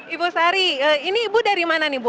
ibu sari ini ibu dari mana nih bu